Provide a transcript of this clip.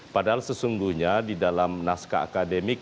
padahal sesungguhnya di dalam naskah akademik